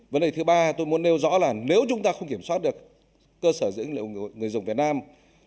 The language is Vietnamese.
vấn đề thứ ba tôi muốn nêu rõ là nếu chúng ta không kiểm soát được cơ sở dữ liệu người dùng việt nam